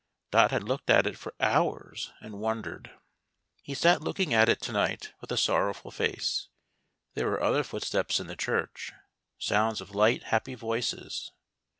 Dot had looked at it for hours, and wondered. He sat looking at it to night with a sorrowful face. There were other footsteps in the church, sounds of light happy voices.